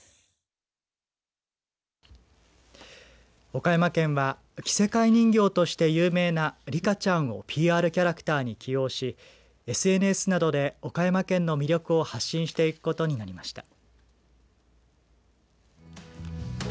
岡山県は着せ替え人形として有名なリカちゃんをＰＲキャラクターに起用しＳＮＳなどで、岡山県の魅力を発信していくことになりました。